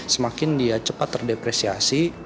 semakin dia cepat terdepresiasi